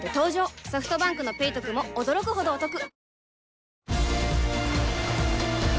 ソフトバンクの「ペイトク」も驚くほどおトク